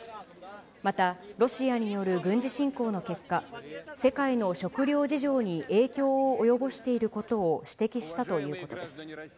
またロシアによる軍事侵攻の結果、世界の食料事情に影響を及ぼしていることを指摘したということです。